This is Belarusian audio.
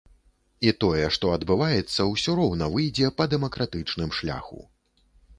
І тое, што адбываецца, усё роўна выйдзе па дэмакратычным шляху.